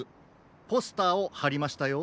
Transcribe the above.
ポスターをはりましたよ。